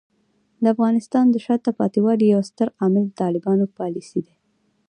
د افغانستان د شاته پاتې والي یو ستر عامل طالبانو پالیسۍ دي.